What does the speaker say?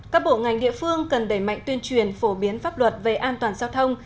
các bộ ngành địa phương cần đẩy mạnh tuyên truyền phổ biến pháp luật về an toàn giao thông